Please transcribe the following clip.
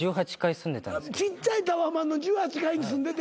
ちっちゃいタワマンの１８階に住んでて。